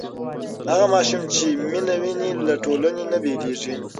هغه ماشوم چې مینه ویني له ټولنې نه بېلېږي.